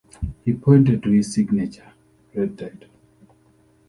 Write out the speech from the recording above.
He pointed to his signature red tie.